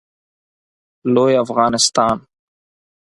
لوی افغانستان